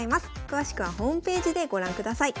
詳しくはホームページでご覧ください。